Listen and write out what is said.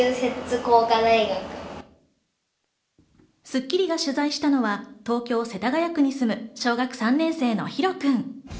『スッキリ』が取材したのは、東京・世田谷区に住む、小学３年生のヒロくん。